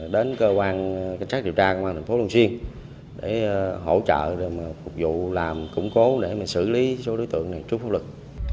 đến cơ quan điều tra công an thành phố long xuyên để hỗ trợ phục vụ làm củng cố để xử lý số đối tượng này trước pháp luật